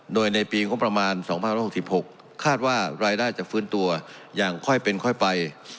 โดยในปีงบประมาณ๒๐๖๖คาดว่ารายได้จะฟื้นตัวอย่างค่อยเป็นค่อยไป